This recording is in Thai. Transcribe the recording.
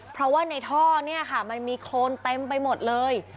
เพราะว่าในท่อเนี่ยค่ะมันมีโครนเต็มไปหมดเลย